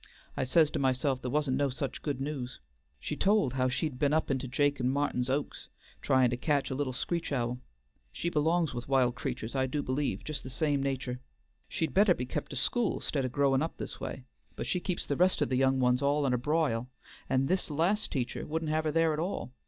I says to myself there wa'n't no such good news. She told how she'd be'n up into Jake an' Martin's oaks, trying to catch a little screech owl. She belongs with wild creatur's, I do believe, just the same natur'. She'd better be kept to school, 'stead o' growin' up this way; but she keeps the rest o' the young ones all in a brile, and this last teacher wouldn't have her there at all.